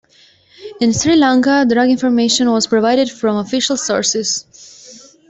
In Sri Lanka, drug information was provided from official sources.